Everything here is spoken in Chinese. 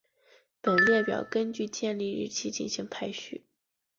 本列表根据建立日期进行排序。